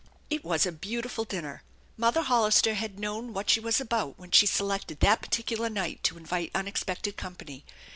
It was a beautiful dinner. Mother Hollister had known what she was about when she selected that particular night to invite unexpected company.